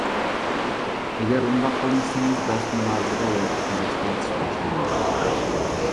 ئەگەر ئۇنداق قىلمىسىڭىز، بەس-مۇنازىرە ياكى تالاش-تارتىش باشلىنىدۇ.